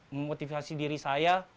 memotivasi diri saya